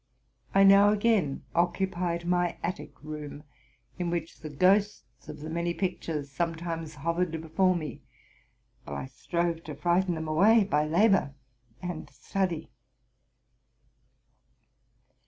I now again occupied my attic room, in which the ghosts of the many pictures sometimes hovered before me; while I strove to frighten them away by labor and study.